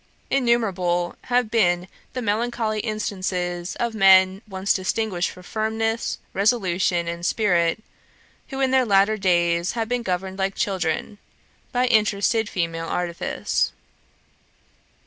Innumerable have been the melancholy instances of men once distinguished for firmness, resolution, and spirit, who in their latter days have been governed like children, by interested female artifice.